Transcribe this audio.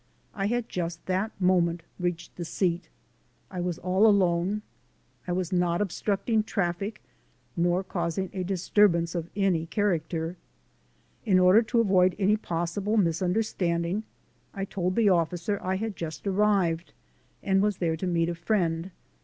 I had just that moment reached the seat; I was all alone; I was not obstructing traffic nor causing a disturbance of any character. In order I GO TO JAIL ONCE MORE 263 to avoid any possible misunderstanding, I told the officer I had just arrived and was there to meet a friend.